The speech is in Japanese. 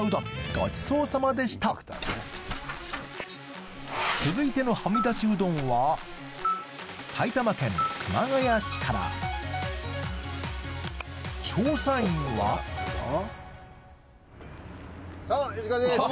ごちそうさまでした続いてのはみだしうどんは埼玉県熊谷市から調査員はどうもＵ字工事です。